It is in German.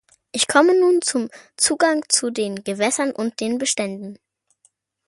Ich komme nun zum Zugang zu den Gewässern und den Beständen.